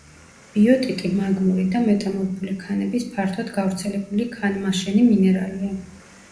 ბიოტიტი მაგმური და მეტამორფული ქანების ფართოდ გავრცელებული ქანმაშენი მინერალია.